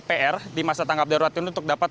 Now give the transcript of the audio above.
pr di masa tanggap darurat ini untuk dapat